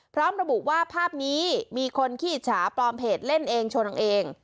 พร้อมระบุว่าภาพนี้มีคนขี้อิจฉาปลอมเพจเล่นเองชนเอาเอง